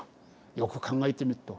よく考えてみっと。